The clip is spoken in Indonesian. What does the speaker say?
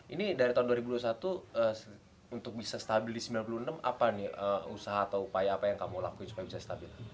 ini dari tahun dua ribu dua puluh satu untuk bisa stabil di sembilan puluh enam apa nih usaha atau upaya apa yang kamu lakuin supaya bisa stabil